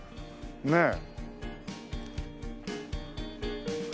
ねえ。